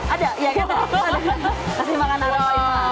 ada ya kita kasih makan arah pak ima